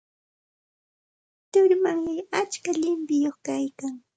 Turumanyay atska llimpiyuqmi kaykan.